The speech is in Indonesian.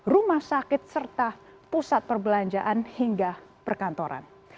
rumah sakit serta pusat perbelanjaan hingga perkantoran